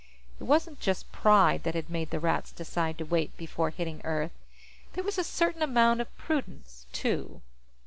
It wasn't just pride that had made the Rats decide to wait before hitting Earth; there was a certain amount of prudence, too.